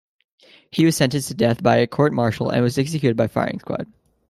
He was sentenced to death by a court-martial and was executed by firing squad.